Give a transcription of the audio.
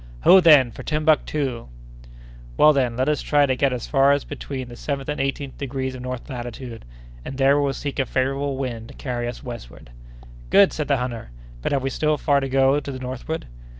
"Ho, then, for Timbuctoo!" "Well, then, let us try to get as far as between the seventeenth and eighteenth degrees of north latitude, and there we will seek a favorable wind to carry us westward." "Good!" said the hunter. "But have we still far to go to the northward?"